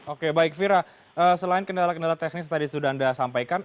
oke baik vira selain kendala kendala teknis tadi sudah anda sampaikan